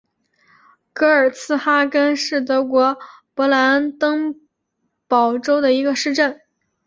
格尔茨哈根是德国勃兰登堡州的一个市镇。